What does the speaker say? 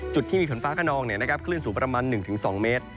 จุดที่มีฝนฟ้าขนองคลื่นสูงประมาณ๑๒เมตร